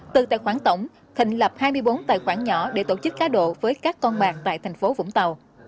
từ tài khoản tổng thịnh lập hai mươi bốn tài khoản nhỏ để tổ chức cá độ với các con bạc tại thành phố vũng tàu